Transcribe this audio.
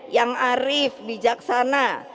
yang arif bijaksana